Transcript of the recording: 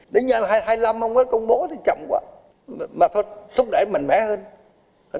đến hai mươi năm không có công bố thì chậm quá mà phải thúc đẩy mạnh mẽ hơn